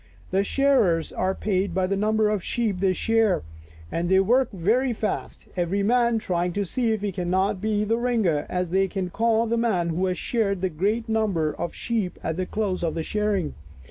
The shearers are paid by the number of sheep they shear, and they work very fast, every man trying to see if he cannot be the " ringer," as they call the man who has sheared the great est number of sheep at the close of the shear ing.